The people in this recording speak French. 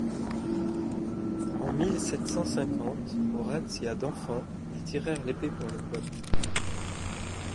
En mille sept cent cinquante, aux razzias d'enfants, ils tirèrent l'épée pour le peuple.